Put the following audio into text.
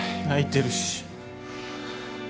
泣いてるし。